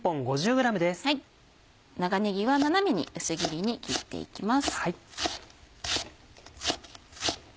長ねぎは斜めに薄切りに切っていきます。